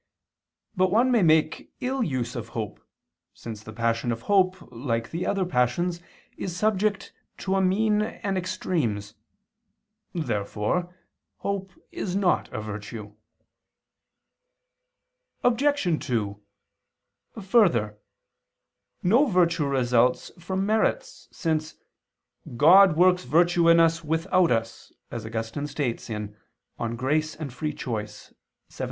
But one may make ill use of hope, since the passion of hope, like the other passions, is subject to a mean and extremes. Therefore hope is not a virtue. Obj. 2: Further, no virtue results from merits, since "God works virtue in us without us," as Augustine states (De Grat. et Lib. Arb. xvii).